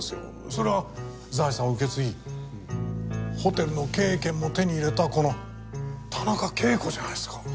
それは財産を受け継ぎホテルの経営権も手に入れたこの田中啓子じゃないですか。